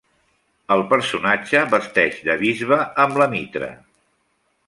El personatge vesteix de bisbe, amb la mitra.